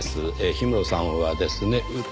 氷室さんはですねこう。